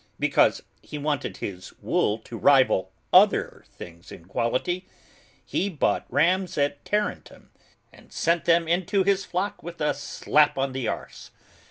Because he wanted his wool to rival other things in quality, he bought rams at Tarentum and sent 'em into his flocks with a slap on the arse.